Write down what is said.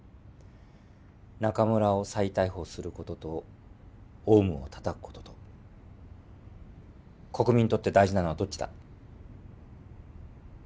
中村を再逮捕する事とオウムをたたく事と国民にとって大事なのはどっちだ？